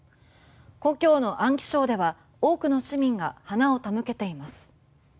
故郷の安徽省では多くの市民が花を手向けています。